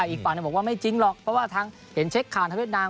อีกฝั่งบอกว่าไม่จริงหรอกเพราะว่าทางเห็นเช็คข่าวทางเวียดนาม